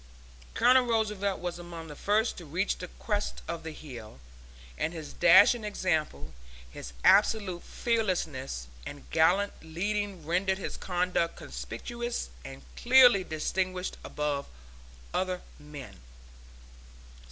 Colonel Roosevelt was among the first to reach the crest of the hill, and his dashing example, his absolute fearlessness and gallant leading rendered his conduct conspicuous and clearl distinguished above other men.